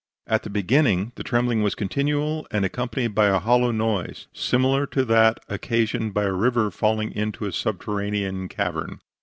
At the beginning the trembling was continual, and accompanied by a hollow noise, similar to that occasioned by a river falling into a subterranean cavern.